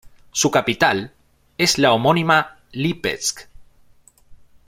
Su capital es la homónima Lípetsk.